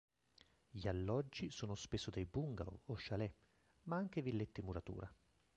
Gli alloggi sono spesso dei bungalow o chalet; ma anche villette in muratura.